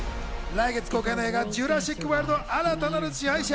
来月公開の映画『ジュラシック・ワールド／新たなる支配者』。